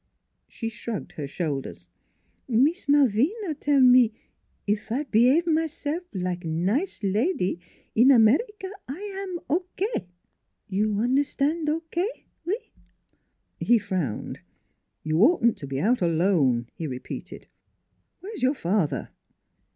She shrugged her shoulders: " Mees Malvina tell me if I be'ave mysel' like nice lady in America I am okay. You un'erstan' okay ouif " He frowned. " You oughtn't to be out alone," he repeated. " Where is your father?